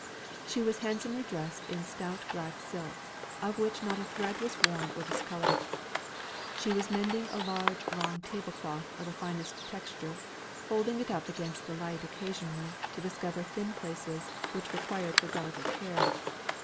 She was handsomely dressed in stout black silk, of which not a thread was worn or discoloured. She was mending a large, long table cloth of the finest texture, holding it up against the light occasionally to discover thin places, which required her delicate care.